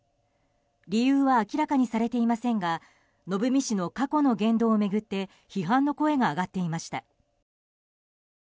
理由は明らかにされていませんがのぶみ氏の過去の言動を巡って批判の声が上がっていました。